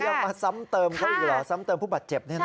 ยังมาซ้ำเติมเขาอีกเหรอซ้ำเติมผู้บาดเจ็บนี่นะ